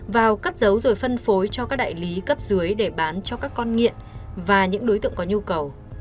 vào cất giấu rồi phân phối cho các đại lý cấp dưới để bán cho các con nghiện và những đối tượng có nhu cầu